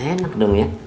enak dong ya